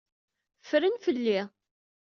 Ffren fell-i.